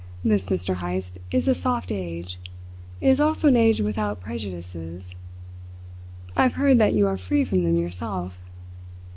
This, Mr. Heyst, is a soft age. It is also an age without prejudices. I've heard that you are free from them yourself.